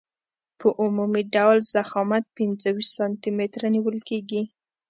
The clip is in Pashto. په عمومي ډول ضخامت پنځه ویشت سانتي متره نیول کیږي